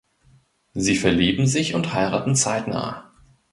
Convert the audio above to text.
Sie verlieben sich und heiraten zeitnah.